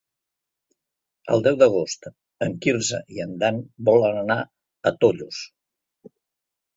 El deu d'agost en Quirze i en Dan volen anar a Tollos.